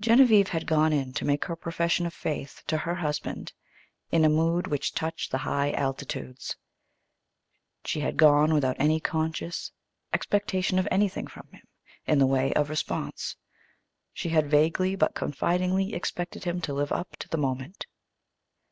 Genevieve had gone in to make her profession of faith to her husband in a mood which touched the high altitudes. She had gone without any conscious expectation of anything from him in the way of response. She had vaguely but confidingly expected him to live up to the moment.